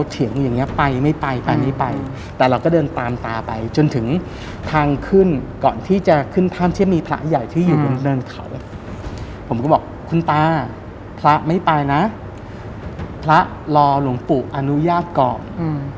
ที่อยู่บนเดินเขาผมก็บอกคุณตาพระไม่ไปนะพระรอหลวงปู่อนุญาบกรอบอืม